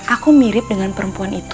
aku mirip dengan perempuan itu